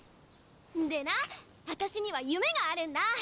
でなあたしには夢があるんだ！